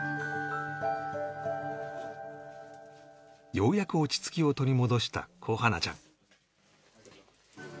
ようやく落ち着きを取り戻した小花ちゃん